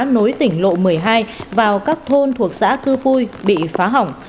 nối tỉnh lộ một mươi hai vào các thôn thuộc xã cư pui bị phá hỏng